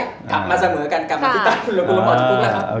กลับมาเสมอกันกลับมาที่ตาคุณลมคุณอาจจะเข้าคุกนะครับ